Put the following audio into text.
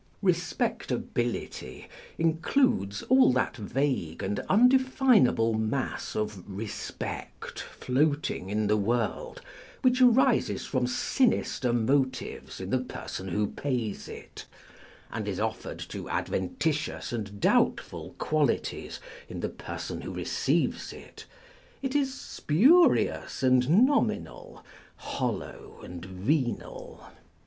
Eespectability includes all that vague and undefinable mass of respect floating in the world, which arises from skiister motives in the person who pays it, and is offered to adventitious and doubtful qualities in the person who receives it. It is spurious and nominal ; hollow and venal.